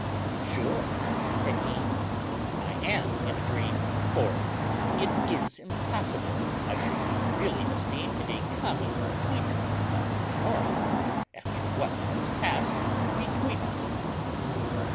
"Sure," said he, "I am in a dream; for it is impossible I should be really esteemed a common acquaintance by Leonora, after what has passed between us?"